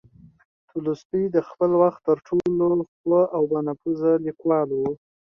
تولستوی د خپل وخت تر ټولو پوه او با نفوذه لیکوال و.